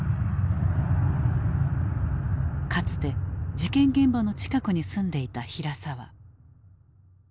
かつて事件現場の近くに住んでいた平沢。